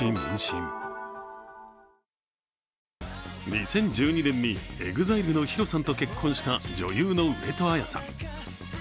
２０１２年にＥＸＩＬＥのＨＩＲＯさんと結婚した女優の上戸彩さん。